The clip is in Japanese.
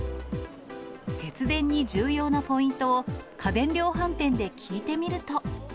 節電に重要なポイントを、家電量販店で聞いてみると。